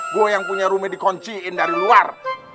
gue yang punya rumit dikunciin dari luar